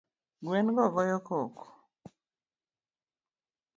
Gwen go goyo koko